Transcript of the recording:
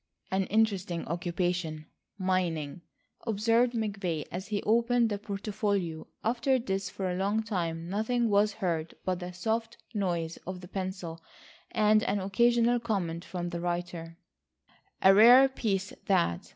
"An interesting occupation, mining," observed McVay as he opened the portfolio. After this for a long time nothing was heard but the soft noise of the pencil and an occasional comment from the writer: "A rare piece that.